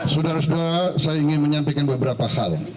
saudara saudara saya ingin menyampaikan beberapa hal